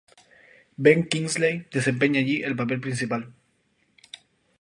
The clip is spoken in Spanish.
Ben Kingsley desempeña allí el papel principal.